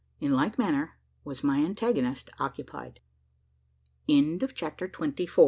In like manner was my antagonist, occupied. CHAPTER TWENTY FIVE.